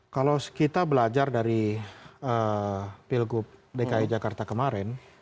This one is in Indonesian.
kalau kita belajar dari pilgub dki jakarta kemarin